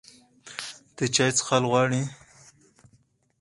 ته چای څښل غواړې؟